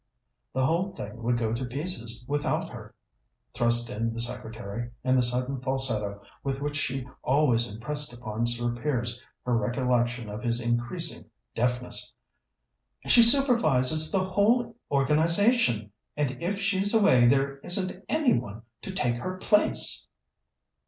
"The whole thing would go to pieces without her," thrust in the secretary, in the sudden falsetto with which she always impressed upon Sir Piers her recollection of his increasing deafness. "She supervises the whole organization, and if she's away there isn't any one to take her place."